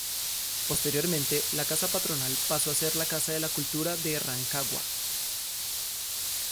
Posteriormente la casa patronal pasó a ser la Casa de la Cultura de Rancagua.